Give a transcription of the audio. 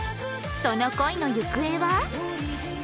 その恋の行方は？